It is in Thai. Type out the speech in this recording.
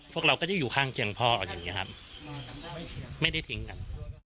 พวกเราก็จะอยู่ข้างเคียงพ่ออย่างนี้ครับไม่ได้ทิ้งกัน